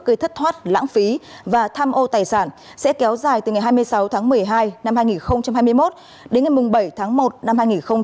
gây thất thoát lãng phí và tham ô tài sản sẽ kéo dài từ ngày hai mươi sáu tháng một mươi hai năm hai nghìn hai mươi một đến ngày bảy tháng một năm hai nghìn hai mươi